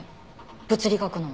物理学の。